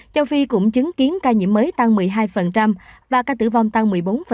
châu phi cũng chứng kiến ca nhiễm mới tăng một mươi hai và ca tử vong tăng một mươi bốn